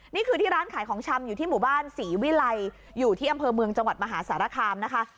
นี่คือที่ร้านขายของชำอยู่ที่หมู่บ้านศรีวิลัยอยู่ที่อำเภอเมืองจังหวัดมหาสารคามนะคะ